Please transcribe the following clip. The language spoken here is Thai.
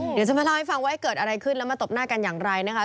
เดี๋ยวจะมาเล่าให้ฟังว่าเกิดอะไรขึ้นแล้วมาตบหน้ากันอย่างไรนะคะ